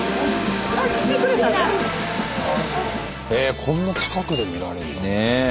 へえこんな近くで見られんだ。